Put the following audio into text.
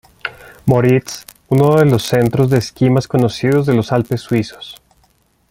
Moritz, uno de los centros de esquí más conocidos de los Alpes suizos.